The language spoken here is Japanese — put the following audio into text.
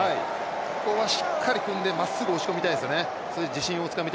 ここはしっかり組んでまっすぐ押し込みたいですね。